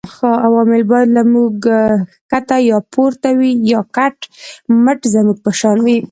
عوامل باید له موږ ښکته یا پورته وي یا کټ مټ زموږ په شان